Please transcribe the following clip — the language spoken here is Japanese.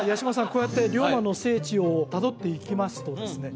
こうやって龍馬の聖地をたどっていきますとですね